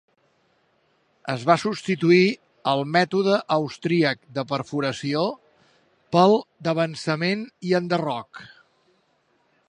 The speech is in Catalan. Es va substituir el mètode austríac de perforació pel d'avançament i enderroc.